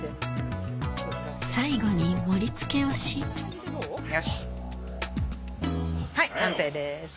最後に盛り付けをしはい完成です。